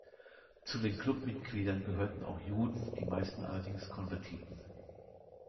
Zu den Clubmitgliedern gehörten auch Juden, die meisten allerdings Konvertiten.